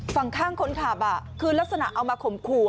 ฝั่งข้างคนขับคือลักษณะเอามาข่มขู่